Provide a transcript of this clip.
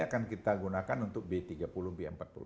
akan kita gunakan untuk b tiga puluh b empat puluh